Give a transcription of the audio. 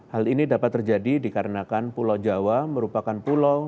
hal ini dapat terjadi dikarenakan pulau jawa merupakan pulau